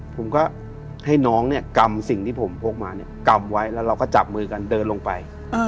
ผมก็ให้น้องเนี่ยกำสิ่งที่ผมพกมากำไว้แล้วเราก็จับมือกันเดินลงไป